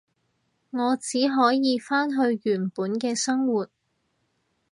我只可以返去原本嘅生活